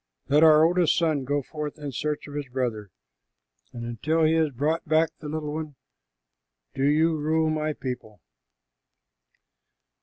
Let our oldest son go forth in search of his brother, and until he has brought back the little one, do you rule my people."